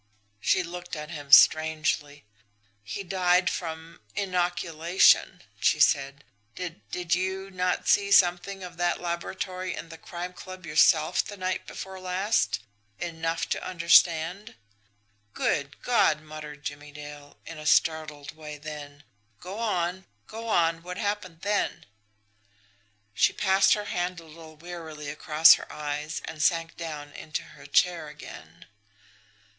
She looked at him strangely. "He died from inoculation," she said. "Did did you not see something of that laboratory in the Crime Club yourself the night before last enough to understand?" "Good God!" muttered Jimmie Dale, in a startled way then: "Go on! Go on! What happened then?" She passed her hand a little wearily across her eyes and sank down into her chair again.